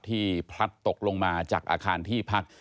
พลัดตกลงมาจากอาคารที่พัก